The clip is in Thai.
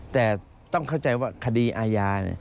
แต่ต้องเข้าใจว่าคดีอาญา